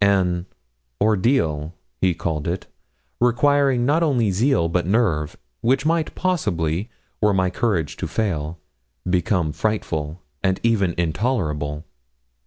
An 'ordeal' he called it, requiring not only zeal but nerve, which might possibly, were my courage to fail, become frightful, and even intolerable.